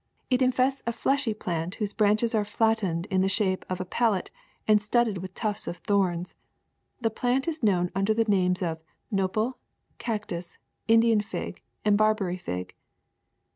It infests a fleshy plant whose branches are flattened in the shape of a palette and studded with tufts of thorns. This plant is known under the names of nopal, cactus, Indian fig, and Barbary fig.